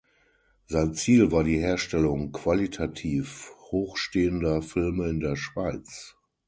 Sein Ziel war die Herstellung qualitativ hochstehender Filme in der Schweiz.